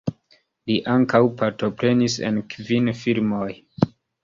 Li ankaŭ partoprenis en kvin filmoj.